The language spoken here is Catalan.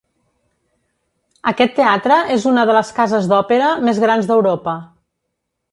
Aquest teatre és una de les cases d'òpera més grans d'Europa.